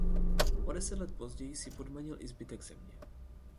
O deset let později si podmanil i zbytek země.